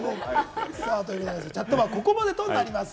「チャットバ」、ここまでとなります。